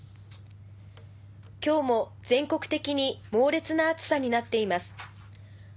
今日も全国的に猛烈な暑さになっています。